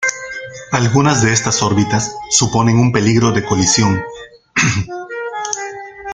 Algunas de estas órbitas suponen un peligro de colisión.